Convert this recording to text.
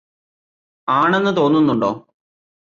ആണെന്ന് തോന്നുന്നുണ്ടോ